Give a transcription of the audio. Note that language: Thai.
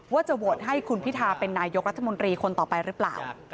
ว่าจะโหวตให้คุณพิทาเป็นนายกรัฐมนตรีคนต่อไปหรือเปล่า